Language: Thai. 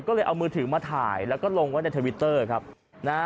ก็เลยเอามือถือมาถ่ายแล้วก็ลงไว้ในทวิตเตอร์ครับนะฮะ